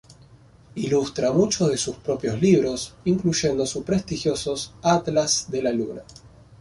Ilustra muchos de sus propios libros, incluyendo su prestigiosos Atlas de la Luna.